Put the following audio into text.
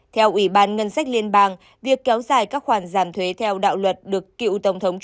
theo ủy ban ngân sách liên bang việc kéo dài các khoản giảm thuế theo đạo luật được cựu tổng thống